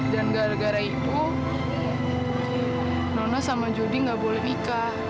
dan gara gara itu nona sama jodi gak boleh nikah